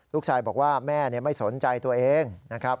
ลูกชายบอกว่าแม่ไม่สนใจตัวเองนะครับ